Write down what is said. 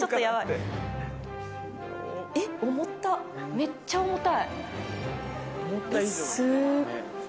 めっちゃ重たい。